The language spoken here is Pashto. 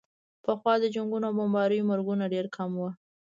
پخوا د جنګونو او بمبارونو مرګونه ډېر کم وو.